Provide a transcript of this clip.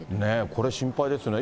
これ心配ですよね。